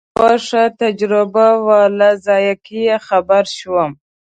خو یوه ښه تجربه وه له ذایقې یې خبر شوم.